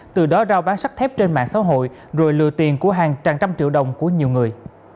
từ đó rao bán sắc thép trên mạng xã hội rồi lừa tiền của hàng tràng trăm triệu đồng của nhiều người